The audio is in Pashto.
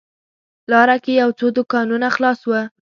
لاره کې یو څو دوکانونه خلاص و.